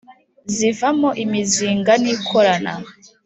Zivamo imizinga nikorana